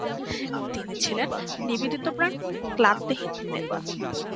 তিনি ছিলেন নিবেদিতপ্রাণ, ক্লান্তিহীন নেতা।